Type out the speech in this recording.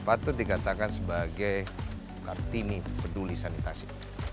patut dikatakan sebagai kartini peduli sanitasi